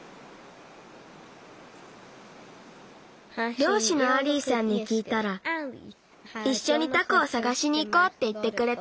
りょうしのアリーさんにきいたらいっしょにタコをさがしにいこうっていってくれた。